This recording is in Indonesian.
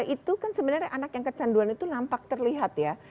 itu kan sebenarnya anak yang kecanduan itu nampak terlihat ya